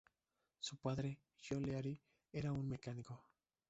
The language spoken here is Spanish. Su padre John Leary era un mecánico.